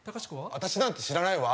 私なんて知らないわ！